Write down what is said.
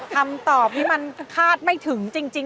คำตอบที่มันคาดไม่ถึงจริง